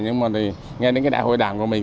nhưng mà nghe đến đại hội đảng của mình